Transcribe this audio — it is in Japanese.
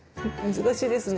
難しいですね。